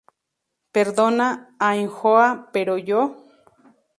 perdona, Ainhoa, pero yo...